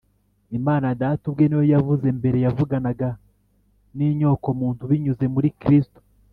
Imana Data ubwe ni yo yavuze. Mbere yavuganaga n’inyokomuntu binyuze muri Kristo